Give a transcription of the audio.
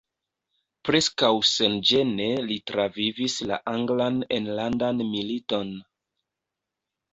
Preskaŭ senĝene li travivis la anglan enlandan militon.